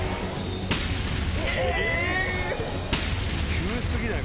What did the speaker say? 急過ぎない？